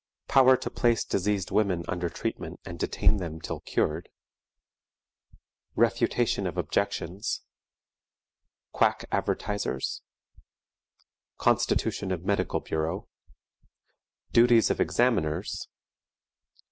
Power to place diseased Women under Treatment and detain them till cured. Refutation of Objections. Quack Advertisers. Constitution of Medical Bureau. Duties of Examiners.